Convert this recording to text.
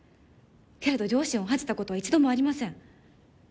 けれど両親を恥じたことは一度もありません。